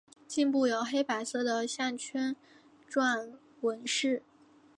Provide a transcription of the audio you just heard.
颈部有黑白色的项圈状纹饰。